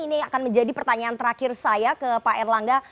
ini akan menjadi pertanyaan terakhir saya ke pak erlangga